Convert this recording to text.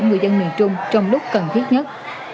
người dân miền trung trong lúc cần thiết nhất